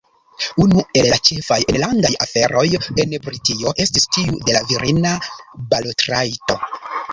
Unu el la ĉefaj enlandaj aferoj en Britio estis tiu de la virina balotrajto.